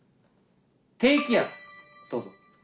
「低気圧」どうぞ。